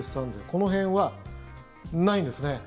この辺はないんですね。